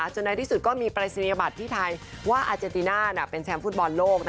ในที่สุดก็มีปรายศนียบัตรที่ไทยว่าอาเจนติน่าเป็นแชมป์ฟุตบอลโลก